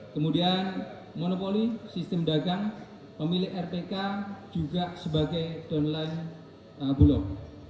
kemudian monopoli sistem dagang pemilik rpk juga sebagai downline bulog